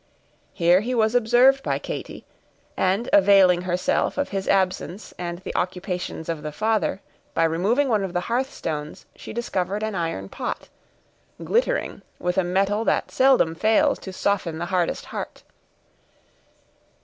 Here he was observed by Katy; and availing herself of his absence and the occupations of the father, by removing one of the hearthstones, she discovered an iron pot, glittering with a metal that seldom fails to soften the hardest heart.